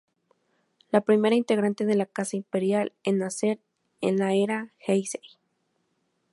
La primera integrante de la casa imperial en nacer en la Era Heisei.